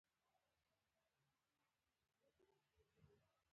د ملګري مینه بې بدیله ده.